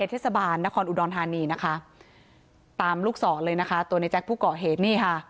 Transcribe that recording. เทศบาลนครอุดรธานีนะคะตามลูกศรเลยนะคะตัวในแจ๊คผู้ก่อเหตุนี่ค่ะ